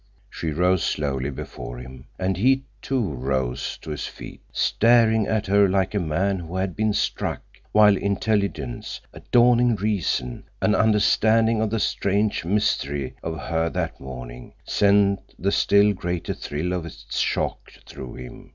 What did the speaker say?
She rose slowly before him, and he, too, rose to his feet, staring at her like a man who had been struck, while intelligence—a dawning reason—an understanding of the strange mystery of her that morning, sent the still greater thrill of its shock through him.